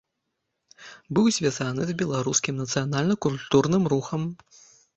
Быў звязаны з беларускім нацыянальна-культурным рухам.